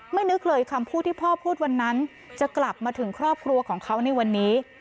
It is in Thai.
นึกเลยคำพูดที่พ่อพูดวันนั้นจะกลับมาถึงครอบครัวของเขาในวันนี้